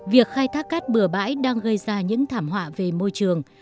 việc khai thác cát bừa bãi đang gây ra những thảm họa về môi trường